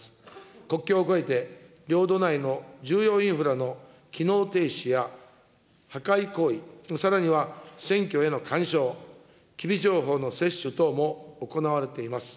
国境を越えて領土内の重要インフラの機能停止や破壊行為、さらには選挙への干渉、機微情報の窃取等も行われています。